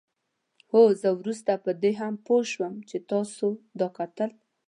هو زه وروسته په دې هم پوه شوم چې ستا دا کتل.